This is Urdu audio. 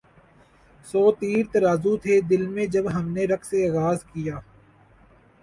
سو تیر ترازو تھے دل میں جب ہم نے رقص آغاز کیا